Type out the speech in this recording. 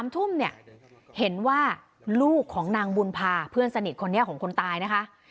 ๓ทุ่มเนี่ยเห็นว่าลูกของนางบุญพาเพื่อนสนิทคนนี้ของคนตายนะคะ